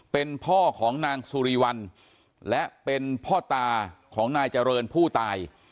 เป็นพ่อของนางสุรีวัลและเป็นพ่อตาของนายเจริญผู้ตาย